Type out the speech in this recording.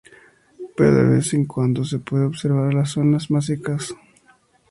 Pero de vez en cuando se puede observar en las zonas más secas.